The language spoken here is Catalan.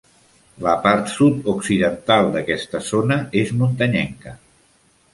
La part sud-occidental d'aquesta zona és muntanyenca.